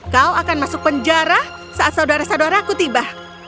kau akan masuk penjara saat saudara saudaraku tiba